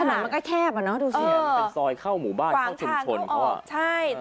มันก็แคบอ่ะเนอะดูสิมันเป็นซอยเข้าหมู่บ้านเข้าชุมชนเขาอ่ะใช่